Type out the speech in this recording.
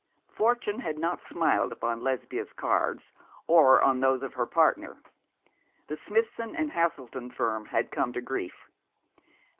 Fortune had not smiled upon Lesbia's cards, or on those of her partner. The Smithson and Haselden firm had come to grief.